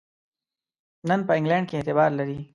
نن په انګلینډ کې اعتبار لري.